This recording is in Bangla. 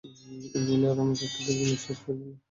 এই বলিয়া রমেশ একটা দীর্ঘনিশ্বাস ফেলিল।